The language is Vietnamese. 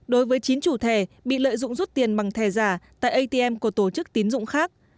đối với chín chủ thẻ bị lợi dụng rút tiền bằng thẻ giả tại atm của tổ chức tín dụng khác